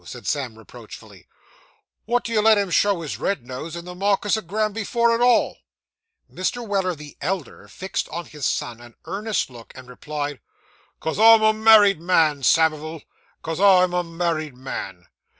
said Sam reproachfully; 'what do you let him show his red nose in the Markis o' Granby at all, for?' Mr. Weller the elder fixed on his son an earnest look, and replied, ''Cause I'm a married man, Samivel, 'cause I'm a married man.